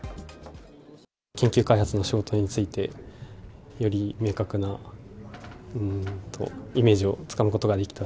研究開発の仕事に就いて、より明確なイメージをつかむことができた。